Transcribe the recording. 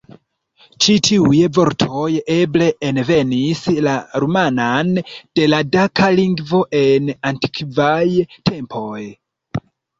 Ĉi tiuj vortoj eble envenis la rumanan de la daka lingvo en antikvaj tempoj.